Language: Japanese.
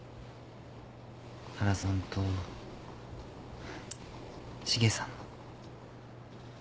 原さんとシゲさんの。